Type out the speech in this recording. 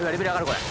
これ。